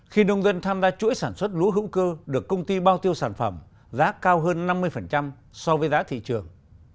khi nông dân tham gia chuỗi sản xuất lúa hữu cơ được công ty bao tiêu sản phẩm giá cao hơn năm mươi so với giá thị trường